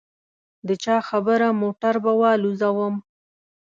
د چا خبره موټر به والوزووم.